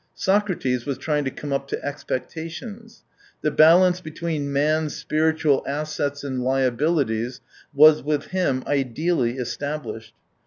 Socrates was trying to come up to expecta tions. The balance between man's spiritual assets and liabilities was with him ideally established.